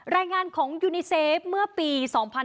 รายงานของยูนิเซฟเมื่อปี๒๕๕๙